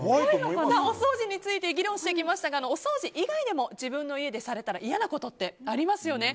お掃除について議論してきましたがお掃除以外でも自分の家出されたら嫌なことってありますよね。